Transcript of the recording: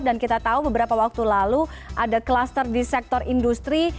dan kita tahu beberapa waktu lalu ada kluster di sektor industri